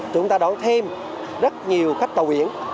chúng ta đón thêm rất nhiều khách tàu biển